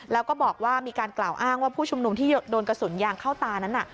แล้วก็บอกว่ามีการกล่าวอ้างว่าผู้ชุมนุมที่โดนกระสุนยางเข้าตานั้น